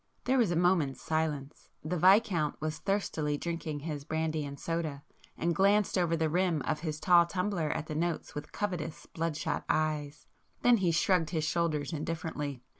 There was a moment's silence. The Viscount was thirstily drinking his brandy and soda, and glanced over the rim of his tall tumbler at the notes with covetous bloodshot eyes,—then he shrugged his shoulders indifferently.